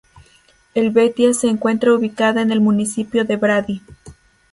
Helvetia se encuentra ubicada en el municipio de Brady.